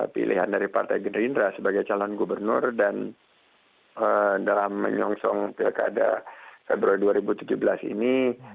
pilihan dari partai gerindra sebagai calon gubernur dan dalam menyongsong pilkada februari dua ribu tujuh belas ini